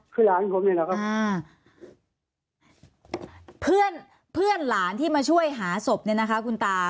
คือหลานผมนี่แหละครับอ่าเพื่อนเพื่อนหลานที่มาช่วยหาศพเนี่ยนะคะคุณตา